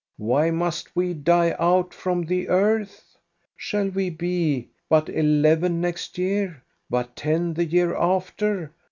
" Why must we die out from the earth.? Shall we be biit eleven next year, but ten the year after.